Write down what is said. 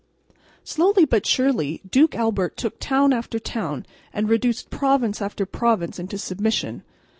Slowly but surely Duke Albert took town after town and reduced province after province into submission.